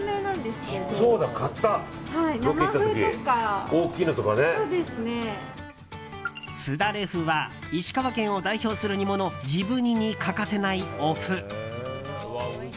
すだれ麩は石川県を代表する煮物じぶ煮に欠かせないお麩。